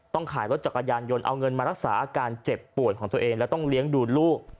ขายรถจักรยานยนต์เอาเงินมารักษาอาการเจ็บป่วยของตัวเองและต้องเลี้ยงดูลูก